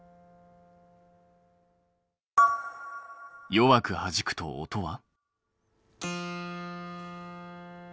弱くはじくと音は？